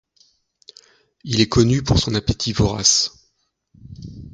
Il est connu pour son appétit vorace.